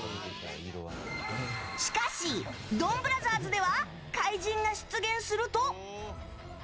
しかし、「ドンブラザーズ」では怪人が出現すると。